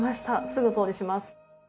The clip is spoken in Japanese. すぐ掃除します。